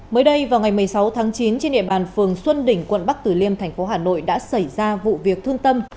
mới đây vào ngày một mươi sáu tháng chín trên địa bàn phường xuân đỉnh quận bắc tử liêm thành phố hà nội đã xảy ra vụ việc thương tâm